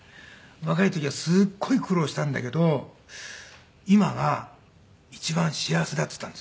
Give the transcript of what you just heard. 「若い時はすっごい苦労したんだけど今が一番幸せだ」って言ったんですよ。